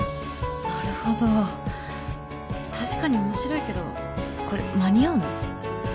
なるほど確かに面白いけどこれ間に合うの？